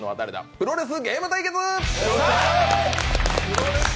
プロレスゲーム対決！